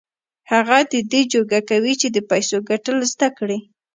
هغه د دې جوګه کوي چې د پيسو ګټل زده کړي.